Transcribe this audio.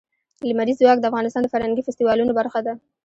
لمریز ځواک د افغانستان د فرهنګي فستیوالونو برخه ده.